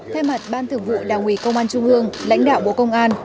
thay mặt ban thượng vụ đảng ủy công an trung hương lãnh đạo bộ công an